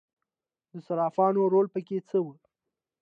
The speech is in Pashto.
د صرافانو رول پکې څه و؟